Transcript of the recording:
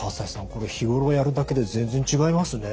これ日頃やるだけで全然違いますね。